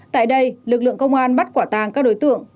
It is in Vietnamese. tại đây lực lượng công an bắt quả tàng các đối tượng